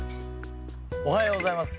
おはようございます。